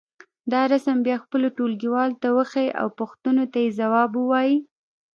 دا رسم بیا خپلو ټولګيوالو ته وښیئ او پوښتنو ته یې ځواب ووایئ.